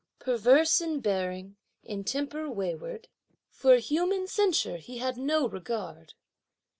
Perverse in bearing, in temper wayward; For human censure he had no regard.